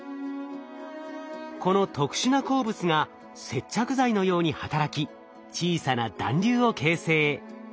この特殊な鉱物が接着剤のように働き小さな団粒を形成。